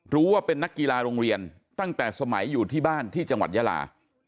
รู้ว่าเป็นนักกีฬาโรงเรียนตั้งแต่สมัยอยู่ที่บ้านที่จังหวัดยาลา